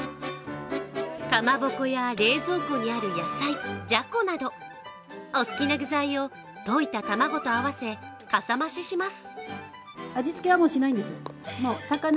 かまぼこや冷蔵庫にある野菜、じゃこなどお好きな具材を溶いた卵と合わせかさ増しします。